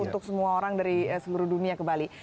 untuk semua orang dari seluruh dunia ke bali